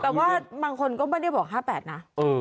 คือบางคนก็ไม่ได้บอก๕๘นะ